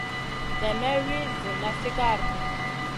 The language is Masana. Nen may wi djuna sigara di.